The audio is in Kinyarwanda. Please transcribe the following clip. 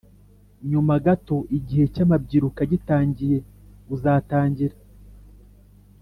Nyuma gato igihe cy amabyiruka gitangiye uzatangira